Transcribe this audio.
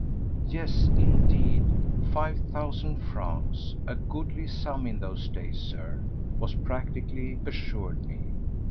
Yes, indeed, five thousand francs—a goodly sum in those days, Sir—was practically assured me.